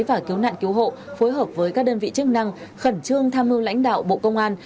và cứu nạn cứu hộ phối hợp với các đơn vị chức năng khẩn trương tham mưu lãnh đạo bộ công an